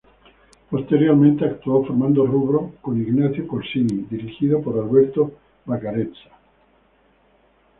Posteriormente actuó formando rubro con Ignacio Corsini, dirigidos por Alberto Vacarezza.